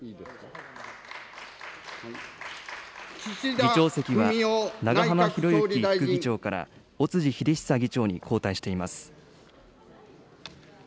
議長席は長浜博行副議長から尾辻秀久議長に交代しています。